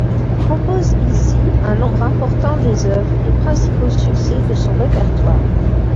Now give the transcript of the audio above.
Il compose ici un nombre important des œuvres et principaux succès de son répertoire.